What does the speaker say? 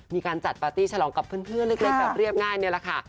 มีการจัดปาร์ตี้ฉลองกับเพื่อนเล็กแบบเรียบง่ายนี่แหละค่ะ